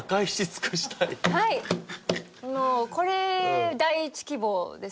もうこれ第１希望ですね。